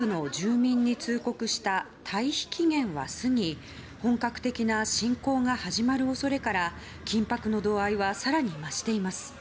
イスラエル軍がガザ地区北部の住民に通告した退避期限は過ぎ本格的な侵攻が始まる恐れから緊迫の度合いは更に増しています。